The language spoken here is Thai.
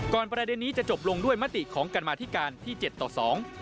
ประเด็นนี้จะจบลงด้วยมติของกรรมาธิการที่เจ็ดต่อสอง